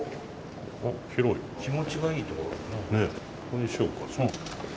ここにしようか。